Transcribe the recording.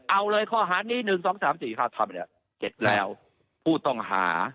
เอาเลยข้อหานี้หนึ่งสองสามสี่ครับทำแบบนี้เด็ดแล้วผู้ต้องหา